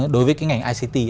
đối với cái ngành ict